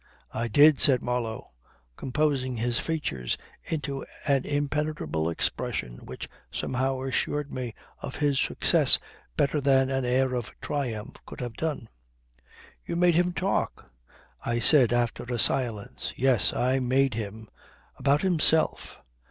"I did," said Marlow, composing his features into an impenetrable expression which somehow assured me of his success better than an air of triumph could have done. "You made him talk?" I said after a silence. "Yes, I made him ... about himself."